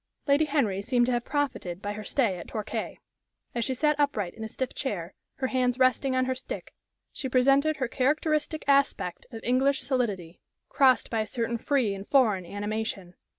Lady Henry seemed to have profited by her stay at Torquay. As she sat upright in a stiff chair, her hands resting on her stick, she presented her characteristic aspect of English solidity, crossed by a certain free and foreign animation.